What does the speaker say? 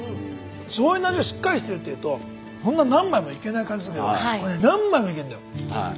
醤油の味がしっかりしてるっていうとそんな何枚もいけない感じするけどこれ何枚もいけんだよ。